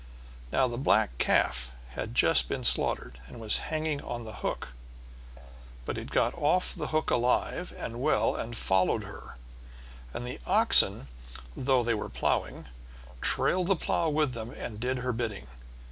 Now the black calf had just been slaughtered, and was hanging on the hook; but it got off the hook alive and well and followed her; and the oxen, though they were ploughing, trailed the plough with them and did her bidding.